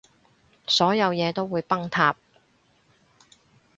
所有嘢都會崩塌